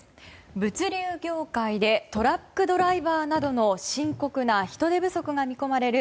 物流業界でトラックドライバーなどの深刻な人手不足が見込まれる